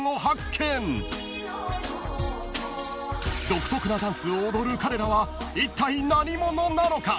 ［独特なダンスを踊る彼らはいったい何者なのか？］